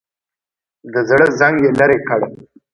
د زړه زنګ یې لرې کړ.